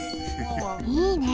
いいね。